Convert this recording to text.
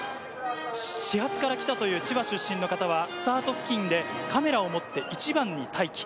始発から来たという千葉出身の方はスタート付近でカメラを持って一番に待機。